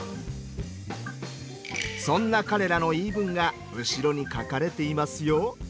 そんな彼らの言い分が後ろに書かれていますよ。